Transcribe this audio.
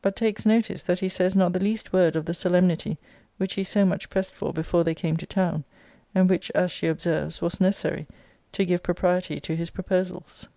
But takes notice, that he says not the least word of the solemnity which he so much pressed for before they came to town; and which, as she observes, was necessary to give propriety to his proposals.